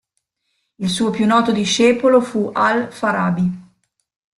Il suo più noto discepolo fu al-Farabi.